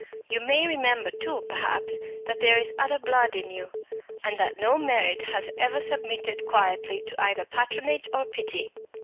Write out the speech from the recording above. You may remember too, perhaps, that there is other blood in you and that no Merritt has ever submitted quietly to either patronage or pity."